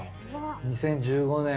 ２０１５年。